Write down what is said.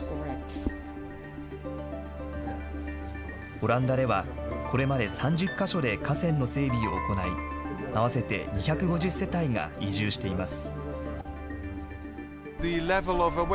オランダでは、これまで３０か所で河川の整備を行い、合わせて２５０世帯が移住しています。